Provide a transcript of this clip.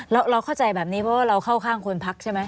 เราเข้าใจแบบนี้เพราะว่าเราเข้าข้างคนพักใช่ไหม